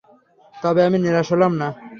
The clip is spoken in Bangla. তবে আমি নিরাশ হলাম না।